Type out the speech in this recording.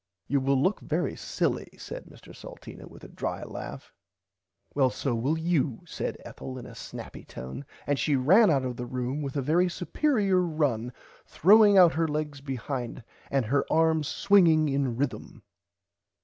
You will look very silly said Mr Salteena with a dry laugh. Well so will you said Ethel in a snappy tone and she ran out of the room with a very superier run throwing out her legs behind and her arms swinging in rithum.